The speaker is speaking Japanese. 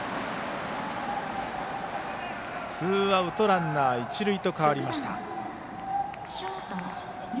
ツーアウト、ランナー、一塁と変わりました。